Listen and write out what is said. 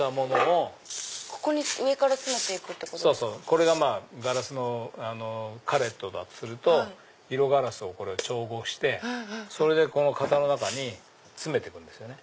これがガラスのカレットだとすると色ガラスを調合して型の中に詰めていくんですよね。